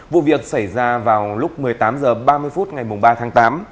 vụ việc xảy ra vào lúc một mươi tám h ba mươi phút ngày ba tháng tám